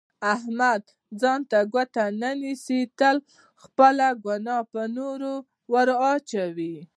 احمد ځان ته ګوته نه نیسي، تل خپله ګناه په نورو ور اچوي.